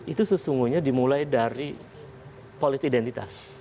itu sesungguhnya dimulai dari politik identitas